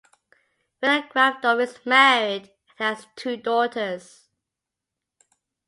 Vinogradov is married and has two daughters.